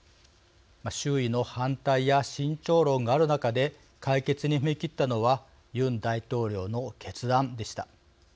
周囲の反対や慎重論がある中で解決に踏み切ったのはユン大統領の決断でした。